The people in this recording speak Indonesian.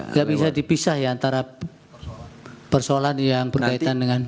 nggak bisa dipisah ya antara persoalan yang berkaitan dengan